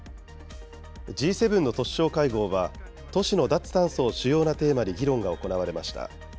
Ｇ７の都市相会合は、都市の脱炭素を主要なテーマに議論が行われました。